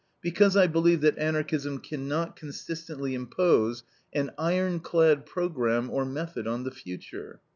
Because I believe that Anarchism can not consistently impose an iron clad program or method on the future.